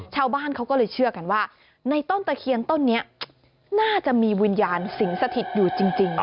ชาวบ้านเขาก็เลยเชื่อกันว่าในต้นตะเคียนต้นนี้น่าจะมีวิญญาณสิงสถิตอยู่จริง